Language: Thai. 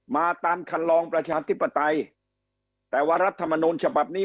มาตามคันลองประชาธิปไตยแต่ว่ารัฐมนูลฉบับนี้